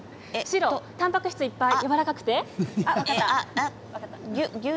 たんぱく質いっぱいやわらかくって。